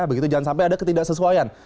begitu jangan sampai ada ketidaksesuaian